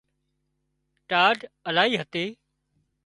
ٽاڍ الاهي هتي